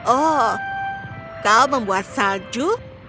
oh kau membuat salju